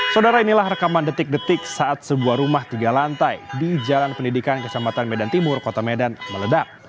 saudara inilah rekaman detik detik saat sebuah rumah tiga lantai di jalan pendidikan kecamatan medan timur kota medan meledak